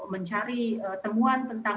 mencari temuan tentang